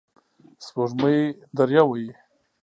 سپوږمۍ دریه وهي